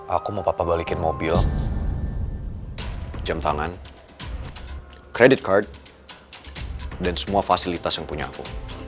aku mau papa balikin mobil jam tangan credit card dan semua fasilitas yang punya aku